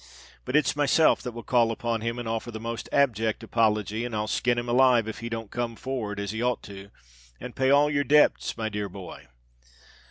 But it's myself that will call upon him and offer the most abject apology; and I'll skin him alive if he don't come for'ard as he ought to do, and pay all your debts, my dear boy.